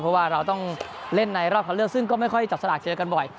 เพราะว่าเราต้องเล่นในรอบคันเลือกซึ่งก็ไม่ค่อยจับสลากเจอกันบ่อย